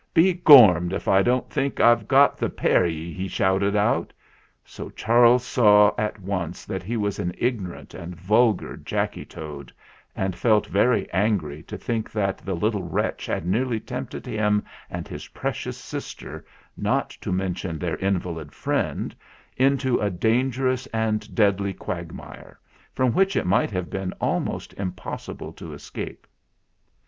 "Be gormed if I didn't think I'd got the pair of 'e!" he shouted out. So Charles saw at once that he was an ignorant and vulgar Jacky Toad, and felt very angry to think that the little wretch had nearly tempted him and his precious sister, not to mention their in valid friend, into a dangerous and deadly quagmire, from which it might have been al most impossible to escape.